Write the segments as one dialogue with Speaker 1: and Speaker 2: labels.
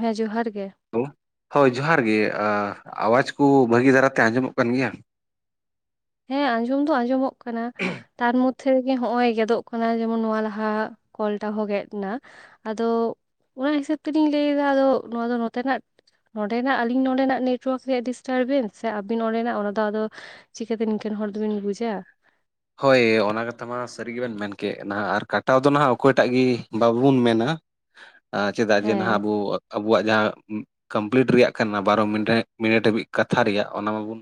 Speaker 1: ᱦᱮᱸ ᱡᱚᱦᱟᱨ ᱜᱮ
Speaker 2: ᱦᱳᱭ ᱡᱚᱦᱟᱨ ᱜᱮ ᱟᱣᱟᱡ ᱠᱚ ᱵᱷᱟᱹᱜᱤ ᱫᱷᱟᱨᱟᱛᱮ ᱟᱸᱡᱚᱢᱚᱜ ᱠᱟᱱ ᱜᱮᱭᱟ
Speaker 1: ᱦᱮᱸ ᱟᱸᱡᱚᱢ ᱫᱚ ᱟᱸᱡᱚᱢᱚᱜ ᱠᱟᱱᱟ ᱛᱟᱨ ᱢᱚᱫᱽᱫᱷᱮ ᱨᱮᱜᱮ ᱱᱚᱜ-ᱚᱭ ᱜᱮᱫᱚᱜ ᱠᱟᱱᱟ ᱡᱮᱢᱚᱱ ᱱᱚᱣᱟ ᱞᱟᱦᱟ ᱠᱚᱞᱴᱟ ᱦᱚᱸ ᱜᱮᱫ ᱮᱱᱟ ᱟᱫᱚ ᱚᱱᱟ ᱦᱤᱥᱟᱹᱵᱽ ᱛᱮᱞᱤᱧ ᱞᱟᱹᱭᱮᱫᱫᱟ ᱟᱫᱚ ᱱᱚᱣᱟ ᱫᱚ ᱱᱚᱛᱮᱱᱟᱜ ᱱᱚᱸᱰᱮᱱᱟᱜ ᱟᱞᱤᱧ ᱱᱚᱸᱰᱮᱱᱟᱜ ᱱᱮᱴᱳᱣᱟᱨᱠ ᱨᱮᱭᱟᱜ ᱰᱤᱥᱴᱟᱨᱵᱮᱱᱥ ᱥᱮ ᱟᱵᱤᱱ ᱱᱚᱸᱰᱮᱱᱟᱜ ᱚᱱᱟ ᱫᱚ ᱟᱫᱚ ᱪᱤᱠᱟᱹᱛᱮ ᱱᱤᱝᱠᱟᱹᱱ ᱦᱚᱲ ᱫᱚᱵᱤᱱ ᱵᱩᱡᱟ
Speaker 2: ᱦᱳᱭ ᱚᱱᱟ ᱠᱟᱛᱷᱟ ᱢᱟ ᱥᱟᱹᱨᱤ ᱜᱮᱵᱮᱱ ᱢᱮᱱ ᱠᱮᱫ ᱱᱟᱜ ᱟᱨ ᱠᱟᱴᱟᱣ ᱫᱚ ᱱᱟᱜ ᱚᱠᱚᱭᱴᱟᱜ ᱜᱮ ᱵᱟᱵᱵᱚᱱ ᱢᱮᱱᱟ ᱪᱮᱫᱟᱜ ᱡᱮ
Speaker 1: ᱦᱮᱸ
Speaker 2: ᱟᱵᱚ ᱟᱵᱚᱣᱟᱜ ᱡᱟᱦᱟᱸ ᱠᱚᱢᱯᱞᱤᱴ ᱨᱮᱭᱟᱜ ᱠᱷᱟᱱ ᱢᱟ ᱵᱟᱨᱚ ᱢᱤᱱᱤᱴ ᱨᱮ ᱢᱤᱱᱤᱴ ᱦᱟᱹᱵᱤᱡ ᱠᱟᱛᱷᱟ ᱨᱮᱭᱟᱜ ᱚᱱᱟ ᱢᱟᱵᱚᱱ